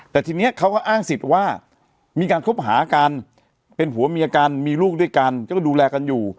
แต่ทีนี้เขาก็อ้างสิทธิ์ว่ามีการคบหากันเป็นผัวเมียกันมีลูกด้วยกันก็ดูแลกันอยู่